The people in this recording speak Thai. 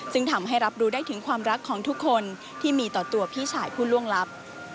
ซึ่งทำให้รับรู้ได้ถึงความรักของทุกคนที่มีต่อตัวพี่ชายผู้ล่วงลับ